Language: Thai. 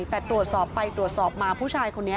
แต่ตรวจสอบไปตรวจสอบมาผู้ชายคนนี้